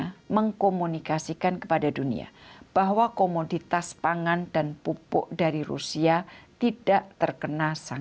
presiden juga mengajak negara anggota g tujuh untuk memfasilitasi ekspor gandum ukraina agar dapat segala berjalan